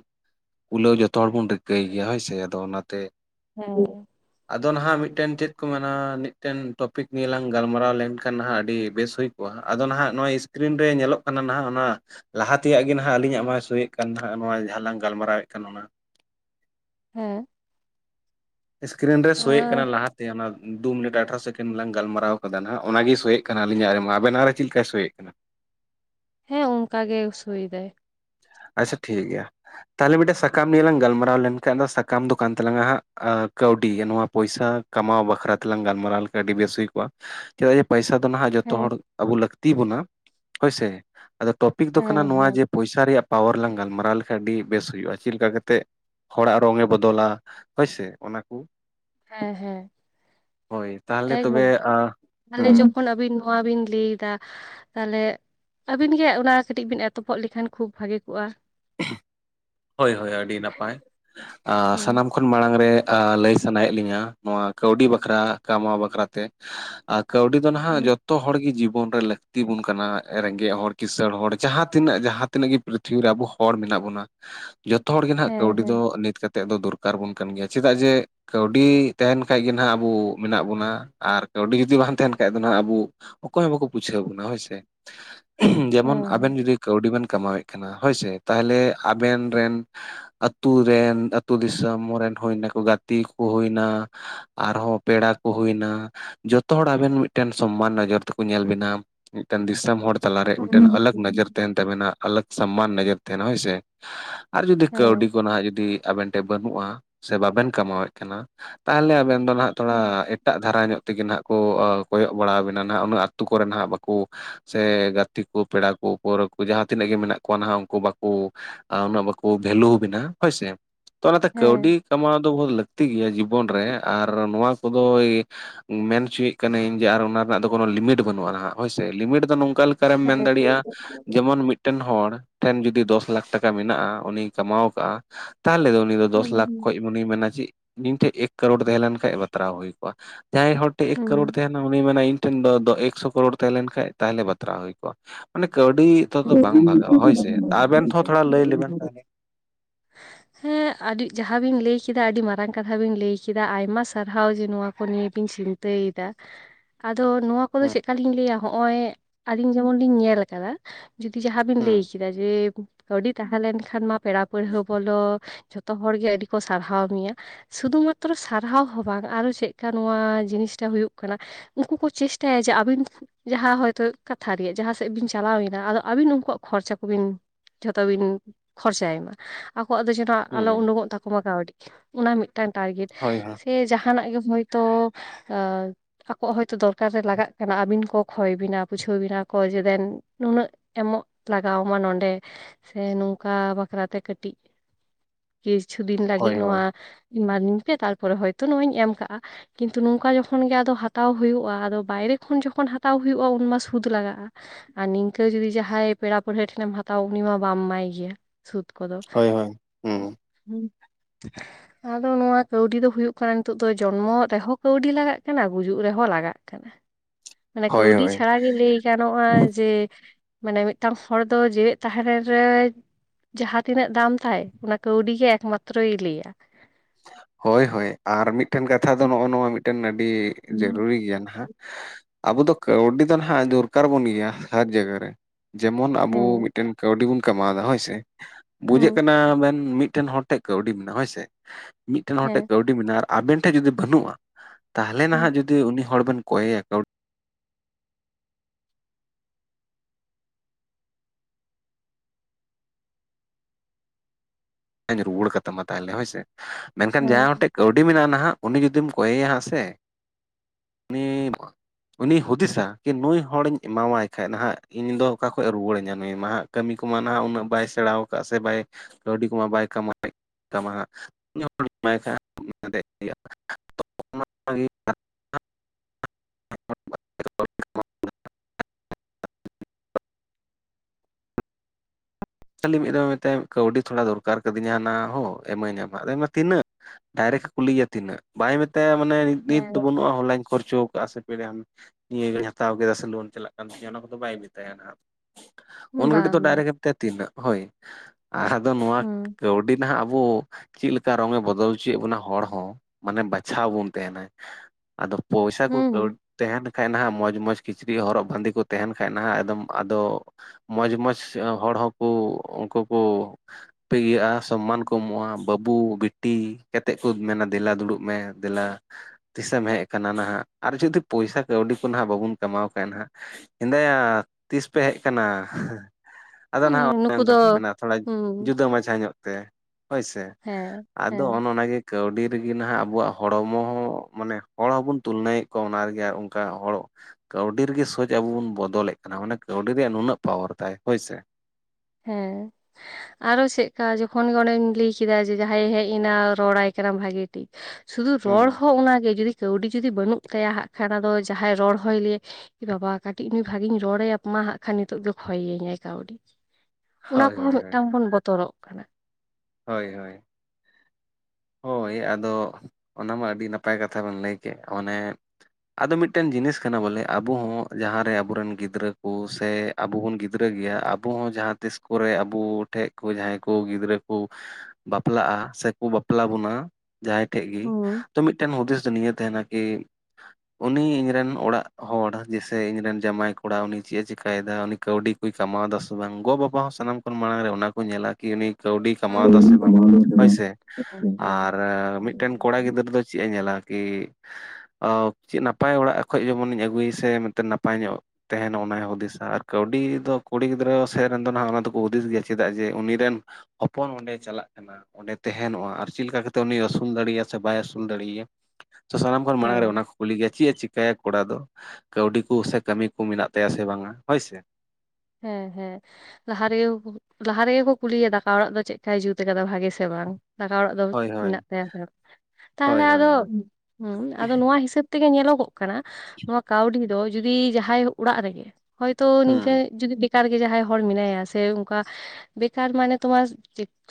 Speaker 2: ᱠᱩᱞᱟᱹᱣ ᱡᱚᱛᱚ ᱦᱚᱲ ᱵᱚᱱ ᱨᱤᱠᱟᱹᱭ ᱜᱮᱭᱟ ᱦᱳᱭ ᱥᱮ ᱟᱫᱚ ᱚᱱᱟᱛᱮ
Speaker 1: ᱦᱮᱸ
Speaker 2: ᱟᱫᱚ ᱱᱟᱦᱟᱜ ᱢᱤᱫᱴᱮᱱ ᱪᱮᱫ ᱠᱚ ᱢᱮᱱᱟ ᱢᱤᱫᱴᱮᱱ ᱴᱚᱯᱤᱠ ᱱᱤᱭᱮ ᱞᱟᱝ ᱜᱟᱞᱢᱟᱨᱟᱣ ᱞᱮᱱᱠᱷᱟᱱ ᱱᱟᱟᱜ ᱟᱹᱰᱤ ᱵᱮᱥ ᱦᱩᱭᱩᱜ ᱟᱫᱚ ᱱᱟᱦᱟᱜ ᱱᱚᱜ-ᱚᱭ ᱥᱠᱨᱤᱱ ᱨᱮ ᱧᱮᱞᱚᱜ ᱠᱟᱱᱟ ᱱᱟᱦᱟᱜ ᱚᱱᱟ ᱞᱟᱦᱟ ᱛᱮᱭᱟᱜ ᱜᱮ ᱱᱟᱦᱟᱜ ᱟᱹᱞᱤᱧᱟᱜ ᱢᱟᱷ ᱥᱳᱭᱮᱫ ᱠᱟᱱ ᱦᱟᱸᱜ ᱱᱚᱣᱟ ᱡᱟᱦᱟᱸ ᱞᱟᱝ ᱜᱟᱞᱢᱟᱨᱟᱣᱮᱫ ᱠᱟᱱ ᱚᱱᱟ
Speaker 1: ᱦᱮᱸ
Speaker 2: ᱥᱠᱨᱤᱱ ᱨᱮ ᱥᱳᱭᱮᱫ
Speaker 1: ᱟᱨ
Speaker 2: ᱠᱟᱱᱟ ᱞᱟᱦᱟᱛᱮ ᱚᱱᱟ ᱫᱩ ᱢᱤᱱᱤᱴ ᱟᱴᱨᱷᱚ ᱥᱮᱠᱮᱱᱰ ᱞᱟᱝ ᱜᱟᱞᱢᱟᱨᱟᱣ ᱠᱟᱫᱟ ᱱᱟᱜ ᱚᱱᱟᱜᱮ ᱥᱳᱭᱮᱜ ᱠᱟᱱᱟ ᱟᱹᱞᱤᱧᱟᱜ ᱨᱮᱢᱟ ᱟᱵᱮᱱᱟᱜ ᱨᱮ ᱪᱮᱫ ᱞᱮᱠᱟᱭ ᱥᱳᱭᱮᱫ ᱠᱟᱱᱟ?
Speaker 1: ᱦᱮᱸ ᱚᱱᱠᱟ ᱜᱮ ᱥᱳᱭ ᱮᱫᱟᱭ᱾
Speaker 2: ᱟᱪᱷᱟ ᱴᱷᱤᱠ ᱜᱮᱭᱟ᱾ ᱛᱟᱦᱚᱞᱮ ᱢᱤᱫᱴᱮᱡ ᱥᱟᱠᱟᱢ ᱱᱤᱭᱮ ᱞᱟᱝ ᱜᱟᱞᱢᱟᱨᱟᱣ ᱞᱮᱱᱠᱷᱟᱱ ᱥᱟᱠᱟᱢ ᱫᱚ ᱠᱟᱱ ᱛᱟᱞᱟᱝᱼᱟ ᱦᱟᱸᱜ ᱠᱟᱹᱣᱰᱤ ᱱᱚᱶᱟ ᱯᱚᱭᱥᱟ ᱠᱟᱢᱟᱣ ᱵᱟᱠᱷᱨᱟ ᱛᱮᱞᱟᱝ ᱜᱟᱞᱢᱟᱨᱟᱣ ᱞᱮᱠᱷᱟᱱ ᱟᱹᱰᱤ ᱵᱮᱥ ᱦᱩᱭ ᱠᱚᱼᱟ ᱪᱮᱫᱟᱜ ᱡᱮ ᱯᱚᱭᱥᱟ ᱛᱚ ᱱᱟᱜ ᱦᱟᱸᱜ ᱡᱚᱛᱚ ᱦᱚᱲ
Speaker 1: ᱦᱮᱸ
Speaker 2: ᱟᱵᱚ ᱞᱟᱹᱠᱛᱤ ᱵᱚᱱᱟ ᱦᱳᱭᱥᱮ ᱟᱫᱚ ᱴᱚᱯᱤᱠ ᱫᱚ
Speaker 1: ᱦᱮᱸ
Speaker 2: ᱠᱟᱱᱟ ᱱᱚᱶᱟ
Speaker 1: ᱦᱮᱸ
Speaker 2: ᱡᱮ ᱯᱚᱭᱥᱟ ᱨᱮᱭᱟᱜ ᱯᱟᱣᱟᱨ ᱞᱟᱝ ᱜᱟᱞᱢᱟᱨᱟᱣ ᱞᱮᱠᱷᱟᱱ ᱟᱹᱰᱤ ᱵᱮᱥ ᱦᱩᱭᱩᱜᱼᱟ ᱪᱮᱫ ᱞᱮᱠᱟ ᱠᱟᱛᱮᱫ ᱦᱚᱲᱟᱜ ᱨᱚᱝ ᱮ ᱵᱚᱫᱚᱞᱟ? ᱦᱳᱭᱥᱮ ᱚᱱᱟ ᱠᱚ᱾
Speaker 1: ᱦᱮᱸ ᱦᱮᱸ
Speaker 2: ᱦᱳᱭ ᱛᱟᱦᱚᱞᱮ ᱛᱚᱵᱮ
Speaker 1: ᱮᱫᱚᱢ ᱛᱟᱦᱚᱞᱮ
Speaker 2: ᱦᱩᱸ
Speaker 1: ᱡᱚᱠᱷᱚᱱ ᱟᱹᱵᱤᱱ ᱱᱚᱶᱟ ᱵᱤᱱ ᱞᱟᱹᱭ ᱮᱫᱟ ᱛᱟᱦᱚᱞᱮ ᱟᱹᱵᱤᱱ ᱜᱮ ᱚᱱᱟ ᱠᱟᱹᱴᱤᱡ ᱵᱤᱱ ᱮᱛᱚᱦᱚᱵ ᱞᱮᱠᱷᱟᱱ ᱠᱷᱩᱵ ᱵᱷᱟᱹᱜᱤ ᱠᱚᱜᱼᱟ᱾
Speaker 2: ᱦᱳᱭ ᱦᱳᱭ ᱟᱹᱰᱤ ᱱᱟᱯᱟᱭ ᱟᱸ
Speaker 1: ᱦᱩᱸ
Speaker 2: ᱥᱟᱱᱟᱢ ᱠᱷᱚᱱ ᱢᱟᱲᱟᱝ ᱨᱮ ᱞᱟᱹᱭ ᱥᱟᱱᱟᱭᱮᱫ ᱞᱤᱧᱟᱹ ᱱᱚᱶᱟ ᱠᱟᱹᱣᱰᱤ ᱵᱟᱠᱷᱨᱟ ᱠᱟᱢᱟᱣ ᱵᱟᱠᱷᱨᱟᱛᱮ᱾ ᱟᱨ ᱠᱟᱹᱣᱰᱤ ᱫᱚ ᱱᱟᱦᱟᱜ
Speaker 1: ᱦᱩᱸ
Speaker 2: ᱡᱚᱛᱚ ᱡᱚᱛᱚ ᱦᱚᱲ ᱜᱮ ᱡᱤᱵᱚᱱ ᱨᱮ ᱞᱟᱹᱠᱛᱤ ᱵᱚᱱ ᱠᱟᱱᱟ ᱨᱮᱸᱜᱮᱡ ᱦᱚᱲ ᱠᱤᱥᱟᱹᱲ ᱦᱚᱲ ᱡᱟᱦᱟᱸ ᱛᱤᱱᱟᱹᱜ ᱡᱟᱦᱟᱸ ᱛᱤᱱᱟᱹᱜ ᱜᱮ ᱯᱨᱤᱛᱷᱤᱵᱤ ᱨᱮ ᱟᱵᱚ ᱦᱚᱲ ᱢᱮᱱᱟᱜ ᱵᱚᱱᱟ ᱡᱚᱛᱚ ᱦᱚᱲ ᱜᱮ ᱱᱟᱱᱟᱜ
Speaker 1: ᱦᱮᱸ
Speaker 2: ᱠᱟᱹᱣᱰᱤ
Speaker 1: ᱦᱮᱸ
Speaker 2: ᱫᱚ ᱱᱤᱛ ᱠᱟᱛᱮᱫ ᱫᱚ ᱫᱚᱨᱠᱟᱨᱵᱚᱱ ᱠᱟᱱ ᱜᱮᱭᱟ ᱪᱮᱫᱟᱜ ᱡᱮ ᱠᱟᱹᱣᱰᱤ ᱛᱟᱦᱮᱱ ᱠᱷᱟᱡ ᱜᱮ ᱱᱟᱦᱟᱸᱜ ᱟᱵᱚ ᱢᱮᱱᱟᱜ ᱵᱚᱱᱟ ᱟᱨ ᱠᱟᱹᱣᱰᱤ ᱡᱩᱫᱤ ᱵᱟᱝ ᱛᱟᱦᱮᱱ ᱠᱷᱟᱡ ᱫᱚ ᱦᱟᱸᱜ ᱟᱵᱚ ᱚᱠᱚᱭ ᱦᱚᱸ ᱵᱟᱠᱚ ᱵᱩᱡᱷᱟᱹᱣ ᱵᱚᱱᱟ ᱦᱳᱭ ᱥᱮ ᱡᱮᱢᱚᱱ
Speaker 1: ᱦᱮᱸ
Speaker 2: ᱟᱵᱮᱱ
Speaker 1: ᱦᱮᱸ
Speaker 2: ᱡᱩᱫᱤ ᱠᱟᱹᱣᱰᱤ ᱵᱮᱱ ᱠᱟᱢᱟᱣᱮᱫ ᱠᱟᱱᱟ ᱦᱳᱭᱥᱮ ᱛᱟᱦᱚᱞᱮ ᱟᱵᱮᱱ ᱨᱮᱱ ᱟᱹᱛᱩ ᱨᱮᱱ ᱟᱹᱛᱩ ᱫᱤᱥᱚᱢ ᱠᱚᱨᱮᱱ ᱦᱩᱭᱱᱟᱠᱚ ᱜᱟᱛᱮ ᱠᱚ ᱦᱩᱭᱱᱟ ᱟᱨᱦᱚᱸ ᱯᱮᱲᱟ ᱠᱚ ᱦᱩᱭᱱᱟ- ᱡᱚᱛᱚ ᱦᱚᱲ ᱟᱵᱤᱱ ᱢᱤᱫᱴᱮᱱ ᱥᱚᱢ ᱢᱟᱱ ᱱᱚᱡᱚᱨ ᱛᱮᱠᱚ ᱧᱮᱞ ᱵᱤᱱᱟ ᱢᱤᱫᱴᱮᱱ ᱫᱤᱥᱚᱢ ᱦᱚᱲ- ᱛᱟᱞᱟᱨᱮ
Speaker 1: ᱦᱩᱸ
Speaker 2: ᱢᱤᱫᱴᱮᱱ ᱟᱞᱟᱜ ᱱᱚᱡᱚᱨ ᱛᱟᱦᱮᱱ ᱛᱟᱵᱤᱱᱟ ᱟᱞᱟᱜ ᱥᱚᱢ ᱢᱟᱱ ᱱᱚᱡᱚᱨ ᱛᱟᱦᱮᱱᱟ ᱦᱚᱭᱥᱮ- ᱟᱨ ᱡᱩᱫᱤ
Speaker 1: ᱦᱮᱸ
Speaker 2: ᱠᱟᱹᱣᱰᱤ
Speaker 1: ᱦᱮᱸ ᱦᱮᱸ
Speaker 2: ᱠᱚ ᱱᱟᱦᱟᱜ ᱡᱩᱫᱤ- ᱟᱵᱤᱱ ᱴᱷᱮᱱ ᱵᱟᱹᱱᱩᱜᱼᱟ ᱥᱮ ᱵᱟᱵᱤᱱ ᱠᱟᱢᱟᱣᱮᱫ ᱠᱟᱱᱟ ᱛᱟᱦᱚᱞᱮ ᱟᱵᱤᱱ ᱫᱚ ᱱᱟᱦᱟᱜ ᱛᱷᱚᱲᱟ- ᱮᱴᱟᱜ ᱫᱷᱟᱨᱟ ᱧᱚᱜ ᱛᱮᱜᱮ ᱱᱟᱜ ᱠᱚ ᱠᱚᱭᱚᱜ ᱵᱟᱲᱟ ᱵᱤᱱᱟ ᱱᱟᱦᱟᱜ ᱩᱱᱟᱹᱜ ᱟᱹᱛᱩ ᱠᱚᱨᱮ ᱱᱟᱜ ᱵᱟᱠᱚ- ᱥᱮ ᱜᱟᱛᱮ ᱠᱚ ᱯᱮᱲᱟ ᱠᱚ ᱯᱟᱹᱣᱨᱟᱹ ᱠᱚ ᱡᱟᱦᱟᱸ ᱛᱤᱱᱟᱹᱜ ᱜᱮ ᱢᱮᱱᱟᱜ ᱠᱚᱣᱟ ᱱᱟᱦᱟᱜ ᱩᱱᱠᱩ ᱵᱟᱠᱚ- ᱩᱱᱟᱹᱜ ᱵᱟᱠᱚ ᱵᱷᱮᱞᱩᱵᱤᱱᱟ ᱦᱚᱭᱥᱮ ᱛᱚ ᱚᱱᱟᱛᱮ ᱠᱟᱹᱣᱰᱤ ᱠᱟᱢᱟᱣ- ᱵᱚᱦᱩᱛ ᱞᱟᱹᱠᱛᱤ ᱜᱮᱭᱟ ᱡᱤᱵᱚᱱ ᱨᱮ ᱟᱨ ᱱᱚᱶᱟ ᱠᱚᱫᱚᱭ ᱢᱮᱱ ᱦᱚᱪᱚᱭᱮᱫ ᱠᱟᱹᱱᱟᱹᱧ ᱡᱮ ᱚᱱᱟ ᱨᱮᱱᱟᱜ ᱫᱚ ᱠᱳᱱᱳ ᱞᱤᱢᱤᱴ ᱵᱟᱹᱱᱩᱜᱼᱟ ᱦᱳᱭᱥᱮ ᱞᱤᱢᱤᱴ ᱫᱚ ᱱᱚᱝᱠᱟ ᱠᱟᱨᱮᱢ ᱢᱮᱱ ᱫᱟᱲᱮᱭᱟᱜᱼᱟ ᱡᱮᱢᱚᱱ ᱢᱤᱫ ᱴᱮᱱ ᱦᱚᱲ ᱴᱷᱮᱱ ᱡᱩᱫᱤ ᱫᱚᱥ ᱞᱟᱠᱷ ᱴᱟᱠᱟ ᱢᱮᱱᱟᱜᱼᱟ ᱩᱱᱤᱭ ᱠᱟᱢᱟᱣ ᱟᱠᱟᱜᱼᱟ ᱛᱟᱦᱚᱞᱮ ᱫᱚ ᱩᱱᱤ ᱫᱚ
Speaker 1: ᱦᱩᱸ
Speaker 2: ᱫᱚᱥ ᱞᱟᱠᱷ ᱠᱷᱚᱡ ᱩᱱᱤ ᱢᱮᱱᱟ ᱡᱮ ᱤᱧ ᱴᱷᱮᱡ ᱮᱠ ᱠᱟᱨᱳᱲ ᱛᱟᱦᱮᱸ ᱞᱮᱱ ᱠᱷᱟᱱᱡ ᱵᱟᱛᱨᱟᱣ ᱦᱩᱭ ᱠᱚᱜᱼᱟ ᱡᱟᱦᱟᱸᱭ ᱦᱚᱲ ᱴᱷᱮᱱ ᱮᱠ ᱠᱟᱨᱚᱲ
Speaker 1: ᱦᱩᱸ
Speaker 2: ᱛᱟᱦᱮᱸᱱ ᱩᱱᱤ ᱢᱮᱱᱼᱟ ᱤᱧ ᱴᱷᱮᱱ ᱫᱚ ᱮᱠᱥᱚ ᱠᱟᱨᱳᱲ ᱛᱟᱦᱮᱸ ᱞᱮᱱ ᱠᱷᱟᱱᱡ ᱛᱟᱦᱚᱞᱮ ᱵᱟᱛᱨᱟᱣ ᱦᱩᱭ ᱠᱚᱜᱼᱟ ᱢᱟᱱᱮ ᱠᱟᱹᱣᱰᱤ ᱫᱚ ᱵᱟᱝ ᱵᱷᱟᱜᱟᱜᱼᱟ ᱦᱳᱭᱥᱮ ᱟᱵᱮᱱ ᱛᱚ ᱛᱷᱚᱲᱟ ᱞᱟᱹᱭ ᱞᱮᱵᱮᱱ ᱛᱟᱦᱚᱞᱮ᱾
Speaker 1: ᱦᱮᱸ ᱟᱹᱰᱤ ᱡᱟᱦᱟᱸ ᱵᱤᱱ ᱞᱟᱹᱭ ᱠᱮᱫᱟ ᱟᱹᱰᱤ ᱢᱟᱨᱟᱝ ᱠᱟᱛᱷᱟ ᱵᱤᱱ ᱞᱟᱹᱭ ᱠᱮᱫᱟ ᱟᱭᱢᱟ ᱥᱟᱨᱦᱟᱣ ᱡᱮ ᱱᱚᱶᱟ ᱠᱚ ᱱᱤᱭᱟᱹ ᱵᱤᱱ ᱪᱤᱱᱛᱟᱹᱭᱮᱫᱟ
Speaker 2: [inaudible]
Speaker 1: ᱟᱫᱚ ᱱᱚᱣᱟ ᱠᱚᱫᱚ
Speaker 2: ᱦᱩᱸ
Speaker 1: ᱪᱮᱫ ᱞᱮᱠᱟᱞᱤᱧ ᱞᱟᱹᱭᱼᱟ ᱦᱚᱸᱜ ᱚᱭ ᱟᱞᱤᱧ ᱡᱮᱢᱚᱱ ᱞᱤᱧ ᱧᱮᱞ ᱟᱠᱟᱫᱟ- ᱡᱩᱫᱤ ᱡᱟᱦᱟᱸ ᱵᱤᱱ ᱞᱟᱹᱭ
Speaker 2: ᱦᱩᱸ
Speaker 1: ᱠᱮᱫᱟ ᱡᱮ ᱠᱟᱹᱣᱰᱤ ᱛᱟᱦᱮᱸ ᱞᱮᱱᱠᱷᱟᱱ ᱢᱟ ᱯᱮᱲᱟ ᱯᱟᱹᱲᱦᱟᱹ ᱵᱚᱞᱚ- ᱡᱚᱛᱚ ᱦᱚᱲ ᱜᱮ ᱟᱹᱰᱤ ᱠᱚ ᱥᱟᱨᱦᱟᱣ ᱢᱮᱭᱟ- ᱥᱩᱫᱩ ᱢᱟᱛᱨᱚ ᱥᱟᱨᱦᱟᱣ ᱦᱚᱸ ᱵᱟᱝ ᱟᱨᱚ ᱪᱮᱫᱠᱟ ᱱᱚᱣᱟ ᱡᱤᱱᱤᱥᱴᱟ ᱦᱩᱭᱩᱜ ᱠᱟᱱᱟ ᱩᱱᱠᱩ ᱠᱚ ᱪᱮᱥᱴᱟᱭᱟ ᱡᱮ ᱟᱵᱤᱱ ᱡᱟᱦᱟᱸ ᱦᱚᱭᱛᱩ ᱠᱟᱛᱷᱟ ᱨᱮᱭᱟᱜ ᱡᱟᱸᱦᱟ ᱥᱮᱫ ᱵᱤᱱ ᱪᱟᱞᱟᱣᱮᱱᱟ ᱟᱫᱚ ᱟᱹᱵᱤᱱ ᱩᱱᱠᱩᱣᱟᱜ ᱠᱷᱚᱨᱪᱟ ᱠᱚᱵᱤᱱ ᱡᱚᱛᱚ ᱵᱤᱱ ᱠᱷᱚᱨ ᱪᱟᱭ ᱢᱟ ᱟᱠᱚᱣᱟᱜ ᱫᱚ ᱟᱞᱚ
Speaker 2: ᱦᱩᱸ
Speaker 1: ᱩᱰᱩᱝᱠᱚᱜ ᱛᱟᱠᱚᱢᱟ ᱠᱟᱹᱣᱰᱤ ᱚᱱᱟ ᱢᱤᱫᱴᱟᱝ ᱴᱟᱨᱜᱮᱴ᱾
Speaker 2: ᱦᱚᱭ ᱦᱚᱭ
Speaker 1: ᱥᱮ ᱡᱟᱦᱟᱱᱟᱜ ᱜᱮ ᱦᱚᱭᱛᱚ- ᱟᱠᱚᱼᱟᱜ ᱦᱚᱭᱛᱚ ᱫᱚᱨᱠᱟᱨ ᱨᱮ ᱞᱟᱜᱟᱣᱜ ᱠᱟᱱᱟ ᱟᱹᱵᱤᱱ ᱠᱚ ᱠᱚᱭ ᱵᱤᱱᱟ ᱵᱩᱡᱷᱟᱹᱣ ᱵᱤᱱᱟ ᱠᱚ ᱡᱮ ᱫᱮᱱ᱾ ᱱᱩᱱᱟᱹᱜ ᱮᱢᱚᱜ ᱞᱟᱜᱟᱣ ᱟᱢᱟ ᱱᱚᱸᱰᱮ ᱥᱮ ᱱᱚᱝᱠᱟ ᱵᱟᱠᱷᱨᱟᱛᱮ ᱠᱟᱹᱴᱤᱡ-
Speaker 2: [inaudible]
Speaker 1: ᱠᱤᱪᱷᱩ ᱫᱤᱱ ᱞᱟᱹᱜᱤᱫ
Speaker 2: ᱦᱳᱭ ᱦᱳᱭ
Speaker 1: ᱱᱚᱣᱟ ᱮᱢᱟ ᱞᱤᱧ ᱯᱮ ᱛᱟᱨᱯᱚᱨᱮ ᱦᱚᱭᱛᱚ ᱱᱚᱣᱟᱧ ᱮᱢ ᱠᱟᱜᱼᱟ᱾ ᱠᱤᱱᱛᱩ ᱱᱚᱝᱠᱟ ᱡᱚᱠᱷᱚᱱ ᱜᱮ ᱟᱫᱚ ᱦᱟᱛᱟᱣ ᱦᱩᱭᱩᱜᱼᱟ ᱟᱫᱚ ᱵᱟᱭᱨᱮ ᱠᱷᱚᱱ ᱡᱚᱠᱷᱚᱱ ᱦᱟᱛᱟᱣ ᱦᱩᱭᱩᱜᱼᱟ ᱩᱱᱢᱟ ᱥᱩᱫ ᱞᱟᱜᱟᱣᱜ- ᱟᱸ ᱟᱨ ᱱᱤᱝᱠᱟᱹ ᱡᱚᱫᱤ ᱡᱟᱦᱟᱸᱭ ᱯᱮᱲᱟ ᱯᱟᱹᱲᱦᱟᱹ ᱴᱷᱮᱱᱮᱢ ᱦᱟᱛᱟᱣ ᱩᱱᱤ ᱢᱟ ᱵᱟᱢ ᱮᱢᱟᱭ ᱜᱮᱭᱟ ᱥᱩᱫ ᱠᱚᱫᱚ᱾
Speaker 2: ᱦᱳᱭ ᱦᱳᱭ ᱦᱩᱸ
Speaker 1: ᱦᱮᱸ ᱟᱫᱚ ᱱᱚᱣᱟ ᱠᱟᱹᱣᱰᱤ ᱫᱚ ᱦᱩᱭᱩᱜ ᱠᱟᱱᱟ ᱱᱤᱛᱚᱜ ᱫᱚ ᱡᱚᱱᱢᱚᱜ ᱨᱮᱦᱚᱸ ᱠᱟᱹᱣᱰᱤ ᱞᱟᱜᱟᱜ ᱠᱟᱱᱟ ᱜᱩᱡᱩᱜ ᱨᱮᱦᱚᱸ ᱞᱟᱜᱟᱜ ᱠᱟᱱᱟ ᱢᱟᱱᱮ
Speaker 2: ᱦᱳᱭ
Speaker 1: ᱠᱟᱹᱣᱰᱤ
Speaker 2: ᱦᱳᱭ
Speaker 1: ᱪᱷᱟᱲᱟ ᱜᱮ ᱞᱟᱹᱭ ᱜᱟᱱᱚᱜᱼᱟ ᱡᱮ ᱢᱟᱱᱮ ᱢᱤᱫᱴᱟᱝ ᱦᱚᱲ ᱫᱚ ᱡᱤᱣᱤᱫ ᱛᱟᱦᱮᱱ ᱨᱮ ᱡᱟᱦᱟᱸ ᱛᱤᱱᱟᱹᱜ ᱫᱟᱢ ᱛᱟᱭ ᱚᱱᱟ ᱠᱟᱹᱣᱰᱤ ᱜᱮ ᱮᱠᱢᱟᱛᱨᱚᱭ ᱞᱟᱹᱭᱟ
Speaker 2: ᱦᱚᱭ ᱦᱚᱭ ᱟᱨ ᱢᱤᱫᱴᱮᱱ ᱠᱟᱛᱷᱟ ᱫᱚ ᱱᱚᱜᱼᱚ ᱱᱚᱣᱟᱴ ᱟᱹᱰᱤ
Speaker 1: ᱦᱩᱸ
Speaker 2: ᱡᱟᱹᱨᱩᱨᱤ ᱜᱮᱭᱟ ᱟᱜ ᱟᱵᱚ ᱫᱚ ᱠᱟᱹᱣᱰᱤ ᱫᱚ ᱱᱟᱦᱟᱜ ᱫᱚᱨᱠᱟᱨ ᱵᱚᱱ ᱜᱮᱭᱟ ᱥᱟᱨ ᱡᱟᱭᱜᱟ ᱨᱮ ᱡᱮᱢᱚᱱ ᱟᱵᱚ
Speaker 1: ᱦᱮᱸ
Speaker 2: ᱢᱤᱫᱴᱮᱱ ᱠᱟᱹᱣᱰᱤ ᱵᱚᱱ ᱠᱟᱢᱟᱣᱮᱫ ᱫᱟ ᱦᱚᱭᱥᱮ ᱵᱩᱡᱷᱟᱹᱜ
Speaker 1: ᱦᱩᱸ
Speaker 2: ᱠᱟᱱᱟ ᱢᱮᱱ ᱢᱤᱫᱴᱮᱱ ᱦᱚᱲ ᱴᱷᱮᱱ ᱠᱟᱹᱣᱰᱤ ᱢᱮᱱᱟᱜᱼᱟ ᱦᱚᱭ ᱥᱮ ᱢᱤᱫᱴᱮᱱ ᱦᱚᱲ
Speaker 1: ᱦᱮᱸ
Speaker 2: ᱴᱷᱮᱱ ᱠᱟᱹᱣᱰᱤ ᱢᱮᱱᱟᱜᱼᱟ ᱟᱨ ᱟᱵᱮᱱ ᱴᱷᱮᱱ ᱡᱩᱫᱤ ᱵᱟᱹᱱᱩᱜᱼᱟ ᱛᱟᱦᱚᱞᱮ
Speaker 1: ᱦᱩᱸ
Speaker 2: ᱱᱟᱦᱟᱜ ᱡᱩᱫᱤ ᱩᱱᱤ ᱦᱚᱲ ᱵᱤᱱ ᱠᱚᱭᱮᱭᱟ ᱦᱮᱧ ᱨᱩᱣᱟᱹᱲ ᱠᱟ ᱛᱟᱢᱟ ᱛᱟᱦᱚᱞᱮ ᱦᱚᱭᱥᱮ ᱢᱮᱱᱠᱷᱟᱱ ᱡᱟᱦᱟᱸᱭ
Speaker 1: ᱦᱮᱸ
Speaker 2: ᱦᱚᱲ ᱴᱷᱮᱱ ᱠᱟᱹᱣᱰᱤ ᱢᱮᱱᱟᱜᱼᱟ ᱱᱟᱦᱟᱜ ᱩᱱᱤ ᱡᱩᱫᱤᱢ ᱠᱚᱭᱮᱭᱟ ᱦᱟᱸᱜ ᱥᱮ ᱩᱱᱤ ᱩᱱᱤ ᱦᱩᱫᱤᱥᱟ ᱠᱤ ᱱᱩᱭ ᱦᱚᱲᱤᱧ ᱮᱢᱟᱣᱟᱭ ᱠᱷᱟᱱ ᱱᱟᱦᱟᱜ ᱤᱧ ᱫᱚ ᱚᱠᱟ ᱠᱷᱚᱱᱮ ᱨᱩᱣᱟᱹᱲᱟᱹᱧᱟ ᱱᱩᱭ ᱢᱟ ᱦᱟᱜ ᱠᱟᱹᱢᱤ ᱠᱚᱢᱟ ᱱᱟᱦᱟᱜ ᱩᱱᱟᱹᱜ ᱵᱟᱭ ᱥᱮᱬᱟ ᱟᱠᱟᱫ ᱥᱮ ᱵᱟᱭ ᱠᱟᱹᱣᱰᱤ ᱠᱚᱢᱟ ᱵᱟᱭ ᱠᱟᱢᱟᱭ ᱠᱟᱢ ᱮᱢᱟᱭ ᱠᱷ ᱠᱷᱟᱹᱞᱤ ᱢᱤᱫ ᱫᱚᱷᱟᱣ ᱢᱮᱛᱟᱭᱟ ᱠᱟᱹᱣᱰᱤ ᱛᱷᱚᱲᱟ ᱫᱚᱨᱠᱟᱨ ᱠᱟ ᱫᱤᱧᱟ ᱦᱟᱱᱟ ᱦᱚ ᱮᱢᱢᱟᱹᱧᱢ ᱟᱫᱚ ᱢᱮ ᱛᱤᱱᱟᱹᱜ ᱰᱟᱭᱨᱮᱠᱴ ᱠᱩᱞᱤᱭᱮᱭᱟ ᱛᱤᱱᱟᱹᱜ ᱵᱟᱭ ᱢᱮᱛᱟᱭᱟ ᱢᱟᱱᱮ ᱱᱱᱤᱛ ᱫᱚ
Speaker 1: ᱦᱮᱸ
Speaker 2: ᱵᱟᱹᱱᱩᱜᱼᱟ ᱦᱚᱞᱟ ᱠᱷᱚᱨᱪᱚ ᱠᱟᱜᱼᱟ ᱥᱮ ᱯᱮᱲᱟᱢ ᱱᱤᱭᱟᱹ ᱜᱧ ᱦᱟᱛᱟᱣ ᱠᱮᱫᱟ ᱥᱮ ᱞᱳᱱ ᱪᱟᱞᱟᱜ ᱠᱟᱱ ᱛᱤᱧᱟᱹ ᱚᱱᱟ ᱠᱚᱫᱚ ᱵᱟᱭ ᱢᱮᱛᱟᱭᱟ ᱱᱟᱦ ᱩᱱ ᱜᱟᱰᱤ ᱫᱚ
Speaker 1: ᱵᱟᱝ ᱵᱟᱝ
Speaker 2: ᱰᱟᱭᱨᱮᱠᱴ ᱮ ᱢᱮᱛᱟᱭᱟ ᱛᱤᱱᱟᱹᱜ ᱦᱳᱭ ᱟᱫᱚ ᱱᱚᱣᱟ
Speaker 1: ᱦᱩᱸ
Speaker 2: ᱠᱟᱹᱣᱰᱤ ᱱᱟᱦᱟᱜ ᱟᱵᱚ ᱪᱮᱫ ᱞᱮᱠᱟ ᱨᱚᱝ ᱮ ᱵᱚᱫᱚᱞ ᱦᱚᱪᱚᱭᱮᱫ ᱵᱚᱱᱟ ᱦᱚᱲ ᱦᱚᱸ ᱢᱟᱱᱮ ᱵᱟᱪᱷᱟᱣ ᱵᱚᱱ ᱛᱟᱦᱮᱱᱟ ᱟᱫᱚ ᱯᱚᱭᱥᱟ ᱠᱚ
Speaker 1: ᱦᱩᱸ
Speaker 2: ᱛᱟᱦᱮᱱ ᱠᱷᱟᱡ ᱱᱟᱦᱟᱜ ᱢᱚᱡᱽ ᱢᱚᱡᱽ ᱠᱤᱪᱨᱤᱡ ᱦᱚᱨᱚᱜ ᱵᱟᱸᱫᱮ ᱠᱚ ᱛᱟᱦᱮᱱ ᱠᱷᱟᱡ ᱱᱟᱦᱟᱜ ᱮᱠᱫᱚᱢ ᱟᱫᱚ ᱢᱚᱸᱡᱽ ᱢᱚᱸᱡᱽ ᱦᱚᱲ ᱦᱚᱸᱠᱚ ᱩᱱᱠᱩ ᱠᱚ ᱯᱮ ᱤᱭᱟᱹᱜᱼᱟ ᱥᱚᱢᱢᱟᱱ ᱠᱚ ᱮᱢᱚᱜᱼᱟ ᱵᱟᱹᱵᱩ ᱵᱤᱴᱤ ᱠᱟᱛᱮᱫ ᱠᱚ ᱢᱮᱱᱟ ᱫᱮᱞᱟ ᱫᱩᱲᱩᱵ ᱢᱮ ᱫᱮᱞᱟ ᱛᱤᱥᱮᱢ ᱦᱮᱡ ᱠᱟᱱᱟ ᱱᱟᱦᱜ ᱟᱨ ᱡᱩᱫᱤ ᱯᱚᱭᱥᱟ ᱠᱟᱹᱣᱰᱤ ᱠᱚ ᱱᱟᱦᱜ ᱵᱟᱵᱚᱱ ᱠᱟᱢᱟᱣ ᱠᱷᱟᱱ ᱦᱟᱸᱜ ᱦᱸᱫᱟᱭᱟ ᱛᱤᱥ ᱯᱮ ᱦᱮᱡ ᱠᱟᱱᱟ ᱟᱫᱚ ᱱᱟᱦᱟᱜ ᱚᱱ
Speaker 1: ᱱᱩᱠᱩ ᱫᱚ
Speaker 2: ᱢᱮᱱᱟᱜᱼᱟ ᱛᱷᱚᱲᱟ
Speaker 1: ᱦᱩᱸ
Speaker 2: ᱡᱩᱫᱟᱹ ᱢᱟᱪᱷᱟ ᱧᱚᱜ ᱛᱮ ᱦᱚᱭᱥᱮ
Speaker 1: ᱦᱮᱸ
Speaker 2: ᱟᱫᱚ
Speaker 1: ᱦᱮᱸ
Speaker 2: ᱚᱱᱮ ᱚᱱᱟᱜᱮ ᱠᱟᱹᱣᱰᱤ ᱨᱮᱜᱮ ᱱᱟᱦᱟᱜ ᱟᱵᱚᱣᱟᱜ ᱦᱚᱲᱢᱚ ᱦᱚᱸ ᱢᱟᱱᱮ ᱦᱚᱲ ᱦᱚᱸᱵᱚᱱ ᱛᱩᱞᱱᱟᱣᱮᱫ ᱠᱚᱣᱟ ᱚᱱᱟ ᱨᱮᱜᱮ ᱟᱨ ᱚᱱᱠᱟ ᱦᱚᱲ ᱠᱟᱹᱣᱰᱤ ᱨᱮᱜᱮ ᱥᱚᱪ ᱟᱵᱚ ᱵᱚᱱ ᱵᱚᱫᱚᱞᱮᱫ ᱠᱟᱱᱟ ᱢᱟᱱᱮ ᱠᱟᱹᱣᱰᱤ ᱨᱮᱭᱟᱜ ᱱᱩᱱᱟᱹᱜ ᱯᱟᱣᱟᱨ ᱛᱟᱭ ᱦᱚᱭ ᱥᱮ
Speaker 1: ᱦᱮᱸ
Speaker 2: [inaudible]
Speaker 1: ᱟᱨᱚ ᱪᱮᱫ ᱞᱮᱠᱟ ᱡᱚᱠᱷᱚᱱ ᱜᱮ ᱚᱸᱰᱮᱧ ᱞᱟᱹᱭ ᱠᱮᱫᱟ ᱡᱮ ᱡᱟᱦᱟᱸᱭᱮ ᱦᱮᱡ ᱮᱱᱟ ᱨᱚᱲᱟᱭ ᱠᱟᱱᱟ ᱵᱷᱟᱹᱜᱤ ᱴᱷᱤᱠ ᱥᱩᱫᱷᱩ ᱨᱚᱲ
Speaker 2: ᱦᱩᱸ
Speaker 1: ᱦᱚᱸ ᱚᱱᱟ ᱜᱮ ᱡᱩᱫᱤ ᱠᱟᱹᱣᱰᱤ ᱡᱩᱫᱤ ᱵᱟᱹᱱᱩᱜ ᱛᱟᱭᱟ ᱦᱟᱸᱜ ᱠᱷᱟᱱ ᱟᱫᱚ ᱡᱟᱦᱟᱸᱭ ᱨᱚᱲ ᱦᱚᱭ ᱞᱟᱹᱭ ᱵᱟᱵᱟ ᱠᱟᱹᱴᱤᱡ ᱱᱩᱭ ᱵᱷᱟᱜᱤᱧ ᱨᱚᱲ ᱟᱭᱟ ᱢᱟ ᱦᱜ ᱠᱷᱟᱱ ᱱᱤᱛᱚᱜ ᱫᱚ ᱠᱷᱚᱭ ᱤᱧᱟᱭ ᱠᱟᱹᱣᱰᱤ ᱚᱱᱟ
Speaker 2: ᱦᱳᱭ
Speaker 1: ᱠᱚᱦᱚᱸ
Speaker 2: ᱦᱳᱭ ᱦᱳᱭ
Speaker 1: ᱢᱤᱫᱴᱟᱝ ᱵᱚᱱ ᱵᱚᱛᱚᱨᱚᱜ ᱠᱟᱱᱟ
Speaker 2: ᱦᱳᱭ ᱦᱳᱭ ᱦᱳᱭ ᱟᱫᱚ ᱚᱱᱟᱢᱟ ᱟᱹᱰᱤ ᱱᱟᱯᱟᱭ ᱠᱟᱛᱷᱟ ᱵᱮᱱ ᱞᱟᱹᱭ ᱠᱮᱫ ᱚᱱᱮ ᱟᱫᱚ ᱢᱤᱫᱴᱮᱱ ᱡᱤᱱᱤᱥ ᱠᱟᱱᱟ ᱵᱚᱞᱮ ᱟᱵᱚ ᱦᱚᱸ ᱡᱟᱦᱟᱸᱨᱮ ᱟᱵᱚᱨᱮᱱ ᱜᱤᱫᱽᱨᱟᱹ ᱠᱚ ᱥᱮ ᱟᱵᱚ ᱵᱚᱱ ᱜᱤᱫᱽᱨᱟᱹ ᱜᱮᱭᱟ ᱟᱵᱚ ᱦᱚᱸ ᱡᱟᱦᱟᱸ ᱛᱤᱥ ᱠᱚᱨᱮ ᱟᱵᱚ ᱴᱷᱮᱱ ᱠᱚ ᱡᱟᱦᱟᱸᱭ ᱠᱚ ᱜᱤᱫᱽᱨᱟᱹ ᱠᱚ ᱵᱟᱯᱞᱟᱜᱼᱟ ᱥᱮᱠᱚ ᱵᱟᱯᱞᱟ ᱵᱚᱱᱟ ᱡᱟᱦᱟᱸᱭ ᱴᱷᱮᱡ ᱜᱮ
Speaker 1: ᱦᱩᱸ
Speaker 2: ᱛᱚ ᱢᱤᱫᱴᱮᱱ ᱦᱩᱫᱤᱥ ᱫᱚ ᱱᱤᱭᱟᱹ ᱛᱟᱦᱮᱱᱟ ᱠᱤ ᱩᱱᱤ ᱤᱧ ᱨᱮᱱ ᱚᱲᱟᱜ ᱦᱚᱲ ᱡᱮᱭᱮᱥᱮ ᱤᱧ ᱨᱮᱱ ᱡᱟᱢᱟᱭ ᱠᱚᱲᱟ ᱩᱱᱤ ᱪᱮᱫ ᱮ ᱪᱮᱤᱠᱟᱭᱮᱫᱟ ᱩᱱᱤ ᱠᱟᱹᱣᱰᱤ ᱠᱚᱭ ᱠᱟᱢᱟᱣ ᱮᱫᱟ ᱥᱮ ᱵᱟᱝ ᱜᱚ ᱵᱟᱵᱟ ᱦᱚᱸ ᱥᱟᱱᱟᱢ ᱠᱷᱚᱱ ᱢᱟᱲᱟᱝ ᱨᱮ ᱚᱱᱟ ᱠᱚ ᱧᱮᱞᱟ ᱠᱤ ᱩᱱᱤ ᱠᱟᱹᱣᱰᱤ
Speaker 1: ᱥ
Speaker 2: ᱠᱟᱢᱟᱣ ᱮᱫᱟ ᱥᱮ ᱵᱟᱝ
Speaker 1: ᱠᱚᱢᱟᱱ
Speaker 2: ᱦᱳᱭ
Speaker 1: ᱵᱟᱝ
Speaker 2: ᱟᱨ ᱢᱤᱫᱴᱮᱱ ᱠᱚᱲᱟ ᱜᱤᱫᱽᱨᱟᱹᱨᱟᱹ ᱫᱚ ᱪᱮᱫ ᱮ ᱧᱮᱞᱟ ᱠᱤ ᱪᱮᱫ ᱱᱟᱯᱟᱭ ᱚᱲᱟᱜ ᱠᱷᱚᱱ ᱡᱮᱢᱚᱱᱤᱧ ᱟᱹᱜᱩᱭᱭᱟᱥᱮᱛᱮ ᱱᱟᱯᱟᱭ ᱧᱚᱜ ᱛᱟᱦᱮᱱ ᱚᱱᱟᱭ ᱦᱩᱫᱤᱥᱟ ᱟᱨ ᱠᱟᱹᱣᱰᱤ ᱫᱚ ᱠᱩᱲᱤ ᱜᱤᱫᱽᱨᱟᱹ ᱥᱮᱫ ᱨᱮᱱ ᱫᱚ ᱦᱜ ᱚᱱᱟ ᱫᱚᱠᱚ ᱦᱩᱫᱤᱥ ᱜᱮᱭᱟ ᱪᱮᱫᱟᱜ ᱡᱮ ᱩᱱ ᱨᱮᱱ ᱦᱚᱯᱚᱱ ᱚᱸᱰᱮ ᱪᱟᱞᱟᱜ ᱠᱟᱱᱟ ᱚᱸᱰᱮ ᱛᱟᱦᱮᱱᱚᱜᱼᱟ ᱟᱨ ᱪᱮᱫ ᱞᱮᱠᱟ ᱠᱟᱛᱮᱫ ᱩᱱᱤ ᱟᱹᱥᱩᱞ ᱫᱟᱲᱮᱟᱭ ᱥᱮ ᱵᱟᱭ ᱟᱹᱥᱩᱞ ᱫᱟᱲᱮᱣᱟᱭ ᱛᱚ ᱥᱟᱱᱟᱢ ᱠᱷᱚᱱ ᱢᱟᱲᱟᱝ
Speaker 1: ᱦᱮᱸ
Speaker 2: ᱨᱮ ᱚᱱᱟ ᱠᱚ ᱠᱩᱞᱤ ᱜᱮᱭᱟ ᱪᱮᱫ ᱮ ᱪᱤᱠᱟᱹ ᱪᱤᱠᱟᱭᱟ ᱠᱚᱲᱟ ᱫᱚ ᱠᱟᱹᱣᱰᱤ ᱠᱚ ᱥᱮ ᱠᱟᱹᱢᱤ ᱠᱚ ᱢᱮᱱᱟᱜ ᱛᱟᱭᱟ ᱥᱮ ᱵᱟᱝᱟ ᱦᱳᱭ ᱥᱮ
Speaker 1: ᱦᱮᱸ ᱦᱮᱸ ᱞᱟᱦᱟ ᱨᱮᱜᱮ ᱞᱟᱦᱟ ᱨᱮᱜᱮ ᱠᱚ ᱠᱩᱞᱤᱭᱟ ᱫᱟᱠᱟ ᱚᱲᱟᱜ ᱫᱚ ᱪᱮᱫᱠᱟᱭ ᱡᱩᱛ ᱠᱟᱫᱟ ᱵᱷᱟᱜᱮ ᱥᱮ ᱵᱟᱝ ᱫᱟᱠᱟ ᱚᱲᱟᱜ ᱫᱚ
Speaker 2: ᱦᱳᱭ ᱦᱳᱭ
Speaker 1: ᱢᱮᱱᱟᱜ ᱛᱟᱭᱟ ᱥᱮ ᱛᱟᱦᱚᱞᱮ
Speaker 2: ᱦᱳᱭ ᱦᱳᱭ
Speaker 1: ᱟᱫᱚ
Speaker 2: ᱦᱳᱭ
Speaker 1: ᱦᱩᱸ ᱟᱫᱚ ᱱᱚᱣᱟ ᱦᱤᱥᱟᱹᱵ ᱛᱮᱜᱮ ᱧᱮᱞᱚᱜᱚᱜ ᱠᱟᱱᱟ ᱱᱚᱣᱟ ᱠᱟᱹᱣᱰᱤ ᱡᱩᱫᱤ ᱡᱟᱦᱟᱸᱭ ᱚᱲᱟᱜ ᱨᱮᱜᱮ ᱦᱚᱭᱛᱚ ᱱᱤᱝᱠᱟᱹ
Speaker 2: ᱦᱩᱸ
Speaker 1: ᱡᱩᱫᱤ ᱵᱮᱠᱟᱨ ᱜᱮ ᱡᱟᱦᱟᱸᱭ ᱦᱚᱲ ᱢᱮᱱᱟᱭᱟ ᱥᱮ ᱚᱱᱠᱟ ᱵᱮᱠᱟᱨ ᱢᱟᱱᱮ ᱛᱳᱢᱟᱨ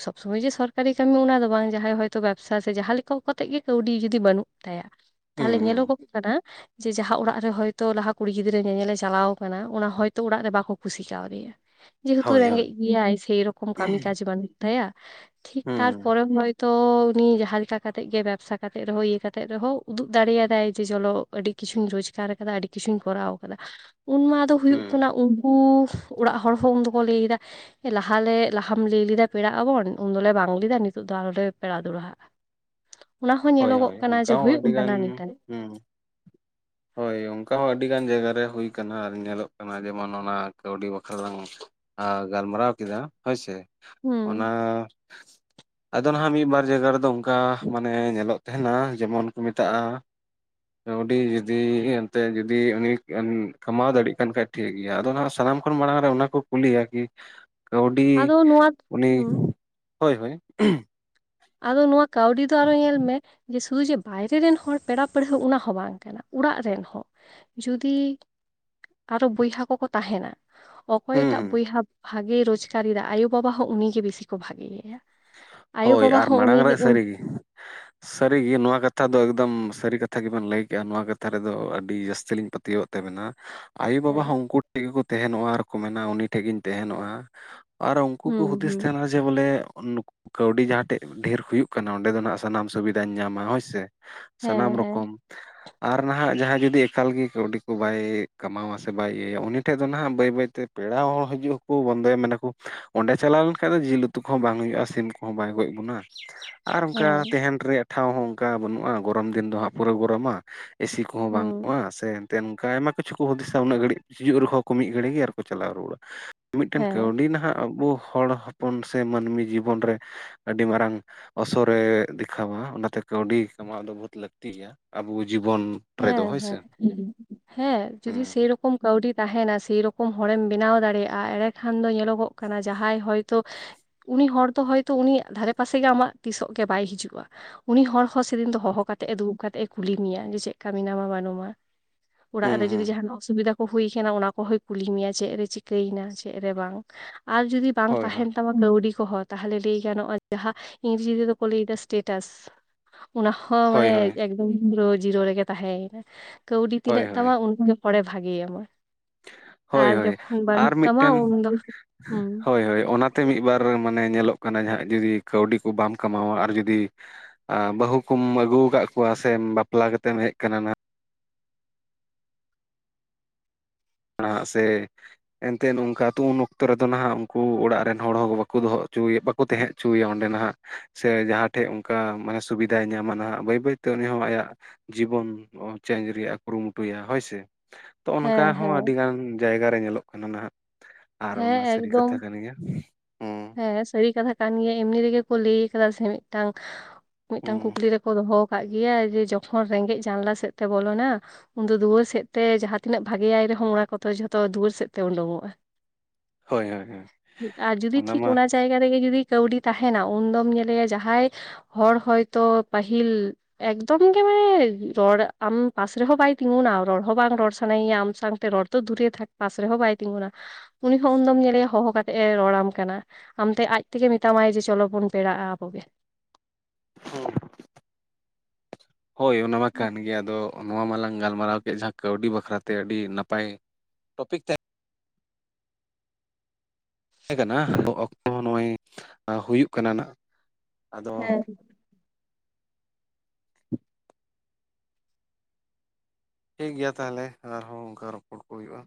Speaker 1: ᱥᱚᱵᱽ ᱥᱚᱢᱚᱭ ᱡᱮ ᱥᱚᱨᱠᱟᱨᱤ ᱠᱟᱹᱢᱤ ᱚᱱᱟ ᱫᱚ ᱵᱟᱝ ᱡᱟᱸᱦᱟᱭ ᱦᱚᱭᱛᱳ ᱵᱮᱵᱽᱥᱟ ᱥᱮ ᱡᱟᱦᱟᱸ ᱞᱮᱠᱟ ᱠᱟᱛᱮᱜ ᱜᱮ ᱠᱟᱹᱣᱰᱤ ᱡᱩᱫᱤ ᱵᱟᱹᱱᱩᱜ ᱛᱟᱭᱟ
Speaker 2: ᱦᱩᱸ
Speaker 1: ᱛᱟᱦᱚᱞᱮ
Speaker 2: ᱦᱩᱸ
Speaker 1: ᱧᱮᱞᱚᱜᱚᱜ ᱠᱟᱱᱟ ᱡᱮ ᱡᱟᱦᱟᱸ ᱚᱲᱟᱜ ᱨᱮ ᱦᱚᱭᱛᱚ ᱞᱟᱦᱟ ᱠᱩᱲᱤ ᱜᱤᱫᱽᱨᱟᱹ ᱧᱮᱧᱮᱞᱮ ᱪᱟᱞᱟᱣ ᱠᱟᱱᱟ ᱚᱱᱟ ᱦᱚᱭᱛᱳ ᱚᱲᱟᱜ ᱨᱮ ᱵᱟᱠᱚ ᱠᱩᱥᱤ ᱠᱟᱣᱫᱮᱭᱟ ᱡᱮᱦᱮᱛᱩ
Speaker 2: ᱦᱳᱭ ᱦᱳᱭ
Speaker 1: ᱨᱮᱸᱜᱮᱡ ᱜᱮᱭᱟᱭ ᱥᱮᱭᱨᱚᱠᱚᱢ ᱠᱟᱹᱢᱤ ᱠᱟᱡᱽ ᱵᱟᱹᱱᱩᱜ ᱛᱟᱭᱟ ᱴᱷᱤᱠ
Speaker 2: ᱦᱩᱸ
Speaker 1: ᱛᱟᱨᱯᱚᱨᱮ ᱦᱚ ᱛᱚ ᱩᱱᱤ ᱡᱟᱦᱟᱸ ᱞᱮᱠᱟ ᱠᱟᱛᱮᱜ ᱜᱮ ᱵᱮᱵᱥᱟ ᱠᱟᱛᱮ ᱨᱮᱦᱚᱸ ᱤᱭᱟᱹ ᱠᱟᱛᱮ ᱨᱮᱦᱚᱸ ᱩᱫᱩᱜ ᱫᱟᱲᱮᱭᱟᱫᱟᱭ ᱡᱮ ᱡᱚᱞᱚ ᱟᱹᱰᱤ ᱠᱤᱪᱷᱩᱧ ᱨᱚᱡᱽᱜᱟᱨ ᱠᱟᱫᱟ ᱟᱹᱰᱤ ᱠᱤᱪᱷᱩᱧ ᱠᱚᱨᱟᱣ ᱠᱟᱫᱟ ᱩᱱᱢᱟ ᱫᱚ ᱦᱩᱭᱩᱜ
Speaker 2: ᱦᱩᱸ
Speaker 1: ᱠᱟᱱᱟ ᱠᱩ ᱚᱲᱟᱜ ᱦᱚᱲ ᱦᱚᱸ ᱩᱱ ᱫᱚᱠᱚ ᱞᱟᱹᱭ ᱮᱫᱟ ᱞᱟᱦᱟᱞᱮ ᱞᱟᱦᱟᱢ ᱞᱟᱹᱭ ᱞᱮᱫᱟ ᱯᱮᱲᱟᱜ ᱟᱵᱚᱱ ᱩᱱ ᱫᱚᱞᱮ ᱵᱟᱝ ᱞᱮᱫᱟ ᱱᱤᱛᱚᱜ ᱫᱚ ᱟᱞᱮ ᱞᱮ ᱯᱮᱲᱟ ᱫᱚᱲᱦᱟᱜᱼᱟ ᱚᱱᱟ ᱦᱚᱸ
Speaker 2: ᱦᱳᱭ
Speaker 1: ᱧᱮᱞᱚᱜᱚᱜ
Speaker 2: ᱦᱳᱭ
Speaker 1: ᱠᱟᱱᱟ
Speaker 2: ᱚᱱᱠᱟ
Speaker 1: ᱡᱮ
Speaker 2: ᱦᱚᱸ
Speaker 1: ᱦᱩᱭᱩᱜ
Speaker 2: ᱟᱹᱰᱤ ᱜᱟᱱ
Speaker 1: ᱠᱟᱱᱟ ᱱᱤᱛᱟᱹᱱᱤᱡ
Speaker 2: ᱦᱩᱸ ᱦᱳᱭ ᱚᱱᱠᱟ ᱦᱚᱸ ᱟᱹᱰᱤ ᱜᱟᱱ ᱡᱟᱭᱜᱟ ᱨᱮ ᱦᱩᱭ ᱟᱠᱟᱱᱟ ᱟᱨ ᱧᱮᱞᱚᱜ ᱠᱟᱱᱟ ᱡᱮᱢᱚᱱ ᱚᱱᱟ ᱠᱟᱹᱣᱰᱤ ᱵᱟᱠᱷᱨᱟᱞᱟᱝ ᱟᱨ ᱜᱟᱞᱢᱟᱨᱟᱣ ᱠᱮᱫᱟ ᱦᱳᱭᱥᱮ
Speaker 1: ᱦᱩᱸ
Speaker 2: ᱚᱱᱟ ᱟᱫᱚ ᱱᱟᱦᱟᱜ ᱢᱤᱫ ᱵᱟᱨ ᱡᱟᱭᱜᱟ ᱨᱮᱫᱚ ᱚᱱᱠᱟ ᱢᱟᱱᱮ ᱧᱮᱞᱚᱜ ᱛᱟᱦᱮᱱᱟ ᱡᱮᱢᱚᱱ ᱠᱚ ᱢᱮᱛᱟᱜᱼᱟ ᱟᱹᱰᱤ ᱡᱩᱫᱤ ᱮᱱᱛᱮ ᱡᱩᱫᱤ ᱩᱱᱤ ᱠᱟᱢᱟᱣ ᱫᱟᱲᱮᱭᱟᱜ ᱠᱟᱱ ᱠᱷᱟᱡ ᱴᱷᱤᱠ ᱜᱮᱭᱟ ᱟᱫᱚ ᱦᱟᱜ ᱥᱟᱱᱟᱢ ᱠᱷᱚᱱ ᱢᱟᱲᱟᱝ ᱨᱮ ᱚᱱᱟ ᱠᱚ ᱠᱩᱞᱤ ᱟᱨᱠᱤ ᱠᱟᱹᱣᱰᱤ
Speaker 1: ᱟᱫᱚ ᱱᱚᱣᱟ
Speaker 2: ᱩᱱᱤ
Speaker 1: ᱦᱩᱸ
Speaker 2: ᱦᱳᱭ ᱦᱳᱭ
Speaker 1: ᱟᱫᱚ ᱱᱚᱣᱟ ᱠᱟᱹᱣᱰᱤ ᱫᱚ ᱟᱨᱚ ᱧᱮᱞ ᱢᱮ ᱡᱮ ᱥᱩᱫᱷᱩ ᱡᱮ ᱵᱟᱭᱨᱮ ᱨᱮᱱ ᱦᱚᱲ ᱯᱮᱲᱟ ᱯᱟᱹᱲᱦᱟᱹ ᱚᱱᱟ ᱦᱚᱸ ᱵᱟᱝ ᱠᱟᱱᱟ ᱚᱲᱟᱜ ᱨᱮᱱ ᱦᱚᱸ ᱡᱩᱫᱤ ᱟᱨᱦᱚ ᱵᱚᱭᱦᱟ ᱠᱚᱠᱚ ᱛᱟᱦᱮᱱᱟ
Speaker 2: ᱦᱩᱸ
Speaker 1: ᱚᱠᱚᱭᱴᱟᱜ
Speaker 2: ᱦᱩᱸ
Speaker 1: ᱵᱚᱭᱦᱟ ᱵᱷᱟᱜᱮᱭ ᱨᱳᱡᱜᱟᱨᱮᱫᱟ ᱟᱭᱳᱼᱵᱟᱵᱟ ᱦᱚᱸ ᱩᱱᱤ ᱜᱮ ᱵᱤᱥᱤ ᱠᱚ ᱵᱷᱟᱜᱮᱭᱟᱭᱟ
Speaker 2: ᱦᱳᱭ ᱟᱨ ᱢᱟᱲᱟᱝ ᱨᱮ ᱥᱟᱹᱨᱤᱜᱮ ᱥᱟᱹᱨᱤᱜᱮ ᱱᱚᱣᱟ ᱠᱟᱛᱷᱟ ᱫᱚ ᱮᱠᱫᱚᱢ ᱥᱟᱹᱨᱤ ᱠᱟᱛᱷᱟ ᱜᱮᱵᱮᱱ ᱞᱟᱹᱭ ᱠᱮᱫᱼᱟ ᱱᱚᱣᱟ ᱠᱟᱛᱷᱟ ᱨᱮᱫᱚ ᱟᱹᱰᱤ ᱡᱟᱹᱥᱛᱤ ᱞᱤᱧ ᱯᱟᱹᱛᱭᱟᱹᱣᱟᱜ ᱱᱟ ᱟᱭᱳᱼᱵᱟᱵᱟ
Speaker 1: ᱦᱮᱸ
Speaker 2: ᱦᱚᱸ ᱩᱱᱠᱩ ᱴᱷᱮᱡ ᱜᱮᱠᱚ ᱛᱟᱦᱮᱱᱚᱜᱼᱟ ᱟᱨᱠᱚ ᱢᱮᱱᱟ ᱩᱱᱤ ᱴᱷᱮᱡ ᱜᱤᱧ ᱛᱟᱦᱮᱱᱚᱜᱼᱟ ᱟᱨ ᱩᱱᱠᱩ ᱠᱚ
Speaker 1: ᱦᱩᱸ
Speaker 2: ᱦᱩᱫᱤᱥ
Speaker 1: ᱦᱩᱸ
Speaker 2: ᱛᱟᱦᱮᱱᱟ ᱡᱮ ᱵᱚᱞᱮ ᱠᱟᱹᱣᱰᱤ ᱡᱟᱦᱟᱸᱴᱷᱮᱡ ᱰᱷᱮᱨ ᱦᱩᱭᱩᱜ ᱠᱟᱱᱟ ᱚᱸᱰᱮ ᱫᱚ ᱦᱜ ᱥᱟᱱᱟᱢ ᱥᱩᱵᱤᱫᱷᱟᱧ ᱧᱟᱢᱟ ᱦᱳᱭ ᱥᱮ ᱥᱟᱱᱟᱢ
Speaker 1: ᱦᱮᱸ ᱦᱮᱸ
Speaker 2: ᱨᱚᱠᱚᱢ ᱟᱨ ᱱᱟᱦᱟᱜ ᱡᱟᱦᱟᱸᱭ ᱡᱩᱫᱤ ᱮᱠᱟᱞ ᱜᱮ ᱠᱟᱹᱣᱰᱤ ᱠᱚ ᱵᱟᱭ ᱠᱟᱢᱟᱣᱟ ᱥᱮ ᱵᱟᱭ ᱤᱭᱟᱹᱭᱟ ᱩᱱᱤ ᱴᱷᱮᱡ ᱫᱚ ᱱᱟᱦᱟᱜ ᱵᱟᱹᱭ ᱵᱟᱹᱭᱛᱮ ᱯᱮᱲᱟ ᱦᱚᱲ ᱦᱤᱡᱩᱜᱼᱟᱠᱚ ᱵᱚᱱᱫᱚᱭᱟ ᱢᱮᱱᱟᱠᱚ ᱚᱸᱰᱮ ᱪᱟᱞᱟᱣ ᱞᱮᱱᱠᱷᱟᱱᱡ ᱫᱚ ᱡᱤᱞ ᱩᱛᱩ ᱠᱚᱦᱚᱸ ᱵᱟᱝ ᱦᱩᱭᱩᱜᱭᱼᱟ ᱥᱤᱢ ᱠᱚᱦᱚᱸ ᱵᱟᱭ ᱜᱚᱡᱽ ᱵᱚᱱᱟ ᱟᱨ ᱚᱱᱠᱟ
Speaker 1: ᱦᱮᱸ
Speaker 2: ᱛᱟᱦᱮᱱ ᱨᱮᱭᱟᱜ ᱴᱷᱟᱶ ᱦᱚᱸ ᱚᱱᱠᱟ ᱵᱟᱹᱱᱩᱜᱼᱟ ᱜᱚᱨᱚᱢ ᱫᱤᱱ ᱫᱚ ᱦᱟᱸᱜ ᱯᱩᱨᱟᱹ ᱜᱚᱨᱚᱢᱟ ᱮᱥᱤ ᱠᱚᱦᱚᱸ
Speaker 1: ᱦᱩᱸ
Speaker 2: ᱵᱟᱹᱱᱩᱜᱼᱟ ᱥᱮ ᱱᱚᱝᱠᱟ ᱟᱭᱢᱟ ᱠᱤᱪᱷᱩ ᱠᱚ ᱦᱩᱫᱤᱥᱟ ᱩᱱᱟᱹᱜ ᱜᱷᱟᱹᱲᱤ ᱦᱤᱡᱩᱜ ᱨᱮᱦᱚᱸ ᱠᱚ ᱢᱤᱫ ᱜᱷᱟᱹᱲᱤ ᱜᱮ ᱟᱨ ᱠᱚ ᱪᱟᱞᱟᱣ ᱨᱩᱣᱟᱹᱲᱟ ᱢᱤᱫ ᱴᱟᱝ
Speaker 1: ᱦᱮᱸ
Speaker 2: ᱠᱟᱹᱣᱰᱤ ᱱᱟᱦᱟᱜ ᱟᱵᱚ ᱦᱚᱲ ᱦᱚᱯᱚᱱ ᱥᱮ ᱢᱟᱹᱱᱢᱤ ᱡᱤᱵᱚᱱ ᱨᱮ ᱟᱹᱰᱤ ᱢᱟᱨᱟᱝ ᱚᱥᱚᱨᱮ ᱫᱮᱠᱷᱟᱣᱟ ᱚᱱᱟᱛᱮ ᱠᱟᱹᱣᱰᱤ ᱠᱟᱢᱟᱣ ᱫᱚ ᱵᱚᱦᱩᱛ ᱞᱟᱹᱠᱛᱤ ᱜᱮᱭᱟ ᱟᱵᱚ ᱡᱤᱵᱚᱱ ᱨᱮᱫᱚ
Speaker 1: ᱦᱮᱸ
Speaker 2: ᱦᱳᱭ ᱥᱮ
Speaker 1: ᱦᱮᱸ ᱦᱮᱸ
Speaker 2: ᱦᱩᱸ
Speaker 1: ᱡᱩᱫᱤ ᱥᱮ ᱨᱚᱠᱚᱢ ᱠᱟᱹᱣᱰᱤ ᱛᱟᱦᱮᱱᱟ ᱥᱮᱭ ᱨᱚᱠᱚᱢ ᱦᱚᱲᱮᱢ ᱵᱮᱱᱟᱣ ᱫᱟᱲᱮᱭᱟᱜᱼᱟ ᱮᱸᱰᱮ ᱠᱷᱟᱱ ᱫᱚ ᱧᱮᱞᱚᱜᱚᱜ ᱠᱟᱱᱟ ᱡᱟᱦᱟᱸᱭ ᱦᱚᱭᱛᱳ ᱩᱱᱤ ᱦᱚᱲ ᱫᱚ ᱦᱚᱭᱛᱚ ᱩᱱᱤᱭᱟᱜ ᱫᱷᱟᱨᱮ ᱯᱟᱥᱮ ᱜᱮ ᱟᱢᱟᱜ ᱛᱤᱥᱚᱜ ᱜᱮ ᱵᱟᱭ ᱦᱤᱡᱩᱜᱼᱟ ᱩᱱᱤ ᱦᱚᱲ ᱦᱚᱸ ᱥᱮᱫᱤᱱ ᱫᱚ ᱦᱚᱦᱚ ᱠᱟᱛᱮᱜ ᱮ ᱫᱩᱲᱩᱵ ᱠᱟᱛᱮᱜ ᱮ ᱠᱩᱞᱤ ᱢᱮᱭᱟ ᱡᱮ ᱪᱮᱫ ᱠᱟᱹᱢᱤ ᱱᱟᱢᱟ ᱵᱟᱹᱱᱩᱜᱢᱟ ᱚᱲᱟᱜ
Speaker 2: ᱦᱩᱸ
Speaker 1: ᱨᱮ
Speaker 2: ᱦᱩᱸ
Speaker 1: ᱡᱩᱫᱤ ᱡᱟᱦᱱᱟᱜ ᱚᱥᱩᱵᱤᱫᱟ ᱠᱚ ᱦᱩᱭ ᱠᱟᱱᱟ ᱚᱱᱟ ᱠᱚᱦᱚᱸᱭ ᱠᱩᱞᱤ ᱢᱮᱭᱟ ᱪᱮᱫ ᱨᱮ ᱪᱤᱠᱟᱹᱭᱮᱱᱟ? ᱪᱮᱫ ᱨᱮ ᱵᱟᱝ? ᱟᱨ ᱡᱩᱫᱤ ᱵᱟᱝ
Speaker 2: ᱦᱳᱭ
Speaker 1: ᱛᱟᱦᱮᱱ ᱛᱟᱢᱟᱝ ᱞᱟᱣᱰᱤ ᱠᱚᱦᱚᱸ ᱛᱟᱦᱚᱞᱮ ᱞᱟᱹᱭ ᱜᱟᱱᱚᱜᱼᱟ ᱡᱟᱦᱟᱸ ᱤᱝᱨᱮᱡᱤ ᱨᱮᱫᱚ ᱠᱚ ᱞᱟᱹᱭ ᱮᱫᱟ ᱥᱴᱮᱴᱟᱥ ᱚᱱᱟᱦᱚᱸ
Speaker 2: ᱦᱳᱭ
Speaker 1: ᱢᱟᱱᱮ
Speaker 2: ᱦᱳᱭ ᱦᱳᱭ
Speaker 1: ᱮᱠᱫᱚᱢ ᱯᱩᱨᱟᱹ ᱡᱤᱨᱳ ᱨᱮᱜᱮ ᱛᱟᱦᱮᱸᱭᱮᱱᱟ ᱠᱟᱹᱣᱰᱤ
Speaker 2: ᱦᱳᱭ
Speaker 1: ᱛᱤᱱᱟᱹᱜ
Speaker 2: ᱦᱳᱭ
Speaker 1: ᱛᱟᱢᱟ ᱦᱚᱲᱰᱮ ᱵᱷᱟᱜᱮ ᱢᱟ
Speaker 2: ᱦᱳᱭ ᱦᱳᱭ ᱟᱨ ᱢᱤᱫ
Speaker 1: ᱛᱟᱢᱟ
Speaker 2: ᱴᱮᱱ
Speaker 1: ᱩᱱᱫᱚ ᱦᱩᱸ
Speaker 2: ᱦᱳᱭ ᱦᱳᱭ ᱚᱱᱟ ᱛᱮ ᱢᱤᱫ ᱵᱟᱨ ᱢᱟᱱᱮ ᱧᱮᱞᱚᱜ ᱠᱟᱱᱟ ᱡᱟᱦᱟᱸᱟᱸ ᱡᱩᱫᱤ ᱠᱟᱹᱣᱰᱤ ᱠᱚ ᱵᱟᱢ ᱠᱟᱢᱟᱣᱟ ᱟᱨ ᱡᱩᱫᱤ ᱵᱟᱹᱦᱩ ᱠᱚᱢ ᱟᱹᱜᱩ ᱟᱠᱟᱫ ᱠᱚᱣᱟ ᱥᱮ ᱵᱟᱯᱞᱟ ᱠᱟᱛᱮᱢ ᱦᱮᱡ ᱟᱠᱟᱱᱟ ᱱᱟᱜ ᱥᱮ ᱮᱱᱛᱮᱫ ᱱᱚᱝᱠᱟ ᱩᱱ ᱚᱠᱛᱚ ᱨᱮᱫᱚ ᱱᱟᱦᱟᱜ ᱩᱱᱠᱩ ᱚᱲᱟᱜ ᱨᱮᱱ ᱦᱚᱲ ᱦᱚᱸ ᱵᱟᱠᱚ ᱫᱚᱦᱚ ᱚᱪᱚᱭᱮᱫ ᱵᱟᱠᱚ ᱛᱟᱦᱮᱸ ᱦᱚᱪᱚᱭᱮᱭᱟ ᱚᱸᱰᱮ ᱱᱟᱦᱟᱜ ᱥᱮ ᱡᱟᱦᱟᱸ ᱴᱷᱮᱡ ᱚᱱᱠᱟ ᱢᱟᱱᱮ ᱥᱩᱵᱤᱫᱟᱭ ᱧᱟᱢᱟ ᱱᱟᱦᱟᱜ ᱵᱟᱹᱭ ᱵᱟᱹᱭᱛᱮ ᱩᱱᱤ ᱦᱚᱸ ᱟᱭᱟᱜ ᱡᱤᱵᱚᱱ ᱪᱮᱧᱡᱽ ᱨᱮᱭᱟᱜ ᱮ ᱠᱩᱨᱩᱢᱩᱴᱩᱭᱟ ᱦᱳᱭᱥᱮ ᱛ ᱚᱱᱠᱟ
Speaker 1: ᱦᱮᱸ
Speaker 2: ᱦᱚᱸ
Speaker 1: ᱦᱮᱸ
Speaker 2: ᱟᱹᱰᱤᱜᱟᱱ ᱡᱟᱭᱜᱟ ᱨᱮ ᱧᱮᱞᱚᱜ ᱠᱟᱱᱟ ᱱᱟᱦᱟᱸᱜ ᱟᱨ
Speaker 1: ᱦᱮᱸ
Speaker 2: ᱚᱱᱟ ᱥᱟᱹᱨᱤ ᱠᱟᱛᱷᱟ
Speaker 1: ᱮᱠᱫᱚᱢ
Speaker 2: ᱠᱟᱱ ᱜᱮᱭᱟ ᱦᱩᱸ
Speaker 1: ᱦᱮᱸ ᱥᱟᱹᱨᱤ ᱠᱟᱛᱷᱟ ᱠᱟᱱ ᱜᱮᱭᱟ ᱮᱢᱱᱤ ᱨᱮᱜᱮ ᱠᱚ ᱞᱟᱹᱭ ᱟᱠᱟᱫᱟ ᱥᱮ ᱢᱤᱫᱴᱟᱝ ᱢᱤᱫ ᱴᱟᱝ
Speaker 2: ᱦᱩᱸ
Speaker 1: ᱠᱩᱠᱞᱤ ᱨᱮᱠᱚ ᱫᱚᱦᱚ ᱠᱟᱜ ᱜᱮᱭᱟ ᱡᱮ ᱡᱚᱠᱷᱚᱱ ᱨᱮᱸᱜᱮᱡ ᱡᱟᱱᱞᱟ ᱥᱮᱫ ᱛᱮ ᱵᱚᱞᱚᱱᱟ ᱩᱱᱫᱚ ᱫᱩᱣᱟᱹᱨ ᱥᱮᱫ ᱛᱮ ᱡᱟᱸᱦᱟᱸ ᱛᱤᱱᱟᱹᱜ ᱵᱷᱟᱜᱤᱭᱟᱭ ᱨᱮᱦᱚᱸ ᱚᱱᱟ ᱠᱚ ᱡᱷᱚᱛᱚ ᱫᱩᱣᱟᱹᱨ ᱥᱮᱫ ᱛᱮ ᱩᱰᱩᱠᱚᱜᱼᱟ
Speaker 2: ᱦᱳᱭ ᱦᱳᱭ ᱦᱳᱭ
Speaker 1: ᱟᱨ ᱡᱩᱫᱤ
Speaker 2: ᱚᱱᱟ
Speaker 1: ᱴᱷᱤᱠ
Speaker 2: ᱢᱟ
Speaker 1: ᱡᱟᱭᱜᱟ ᱨᱮᱜᱮ ᱡᱩᱫᱤ ᱠᱟᱹᱣᱰᱤ ᱛᱟᱦᱮᱱᱟ ᱩᱱ ᱫᱚᱢ ᱧᱮᱞᱮᱭᱟ ᱡᱟᱦᱟᱸᱭ ᱦᱚᱲ ᱦᱚᱭᱛᱚ ᱯᱟᱹᱦᱤᱞ ᱮᱠᱫᱚᱢ ᱜᱮ ᱢᱟᱱᱮ ᱨᱚᱲ ᱟᱢ ᱯᱟᱥ ᱨᱮᱦᱚᱸ ᱵᱟᱭ ᱛᱤᱸᱜᱩᱱᱟ ᱨᱚᱲ ᱦᱚᱸ ᱵᱟᱝ ᱨᱚᱲ ᱥᱟᱱᱟᱭᱮᱭᱟ ᱟᱢ ᱥᱟᱶᱛᱮ ᱨᱚᱲ ᱚ ᱫᱷᱩᱨᱮ ᱯᱟᱥ ᱨᱮᱦᱚᱸ ᱵᱟᱭ ᱛᱤᱸᱜᱩᱱᱟ ᱩᱱᱤ ᱦᱚᱸ ᱩᱱ ᱫᱚᱢ ᱧᱮᱞᱮᱭᱟ ᱦᱚᱦᱚ ᱠᱟᱛᱮᱫ ᱮ ᱨᱚᱲᱟᱢ ᱠᱟᱱᱟ ᱟᱢᱛᱮ ᱟᱡ ᱛᱮᱜᱮ ᱢᱮᱛᱟᱢᱟᱭ ᱡᱮ ᱪᱚᱞᱚ ᱵᱚᱱ ᱯᱮᱲᱟᱜᱼᱟ ᱟᱵᱚᱜᱮ
Speaker 2: ᱦᱳᱭ ᱚᱱᱟ ᱢᱟ ᱠᱟᱱ ᱜᱮᱭᱟ ᱟᱫᱚ ᱱᱚᱣᱟ ᱢᱟᱞᱟᱟᱝ ᱜᱟᱞᱢᱟᱨᱟᱣ ᱠᱮᱫ ᱡᱟᱦᱟᱸ ᱠᱟᱹᱣᱰᱤ ᱵᱟᱠᱷᱨᱟᱛᱮ ᱟᱹᱰᱤ ᱱᱟᱯᱟᱭ ᱴᱚᱯᱤᱠ ᱛᱟᱦᱮᱸ ᱛᱟᱦᱮᱸ ᱠᱟᱱᱟ ᱟ ᱚᱠᱛᱚ ᱱᱚᱜᱼᱚᱭ ᱦᱩᱭᱩᱜ ᱠᱟᱱᱟ ᱱᱟᱜ ᱟᱫᱚ
Speaker 1: ᱦᱮᱸ
Speaker 2: ᱴᱷᱤᱠ ᱜᱮᱭᱟ ᱛᱟᱦᱚᱞᱮ ᱟᱨᱦᱚᱸ ᱚᱱᱠᱟ ᱨᱚᱯᱚᱲ ᱠᱚ ᱦᱩᱭᱩᱜᱼᱟ